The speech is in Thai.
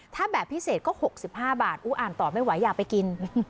ถ้าแบบพิเศษก็หกสิบห้าบาทอู้อ่านต่อไม่ไหวอยากไปกิน